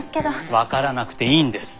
分からなくていいんです。